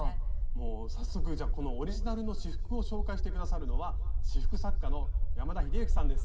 もう早速じゃあこのオリジナルの仕覆を紹介して下さるのは仕覆作家の山田英幸さんです。